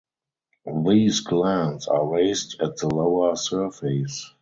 These glands are raised at the lower surface.